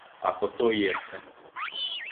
Ако то и јесте.